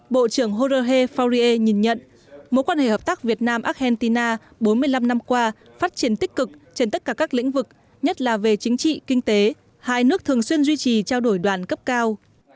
bộ trưởng jorge faurier nhìn nhận mối quan hệ hợp tác việt nam argentina bốn mươi năm năm qua phát triển tích cực trên tất cả các lĩnh vực nhất là về chính trị kinh tế hai nước thường xuyên duy trì trao đổi đoàn cấp cao